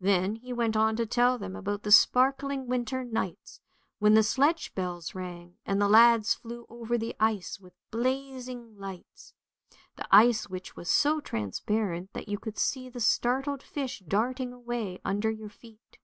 Then he went on to tell them about the sparkling winter nights when the sledge bells rang and the lads flew over the ice with blazing lights, the ice which was so transparent that you could see the startled fish darting away under your feet.